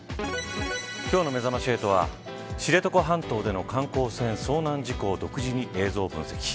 今日のめざまし８は知床半島での観光船遭難事故を独自に映像分析。